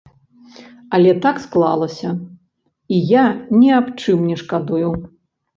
Але так склалася, і я ні аб чым не шкадую.